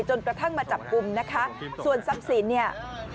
กระทั่งมาจับกลุ่มนะคะส่วนทรัพย์สินเนี่ย